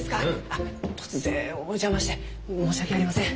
あっ突然お邪魔して申し訳ありません。